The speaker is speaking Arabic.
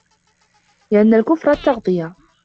لِأَنَّ الْكُفْرَ التَّغْطِيَةُ